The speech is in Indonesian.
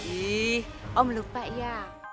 ih om lupa ya